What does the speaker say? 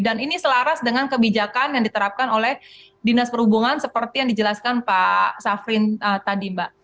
dan ini selaras dengan kebijakan yang diterapkan oleh dinas perhubungan seperti yang dijelaskan pak safrin tadi mbak